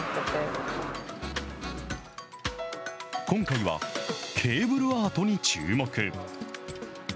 今回は、ケーブルアートに注目。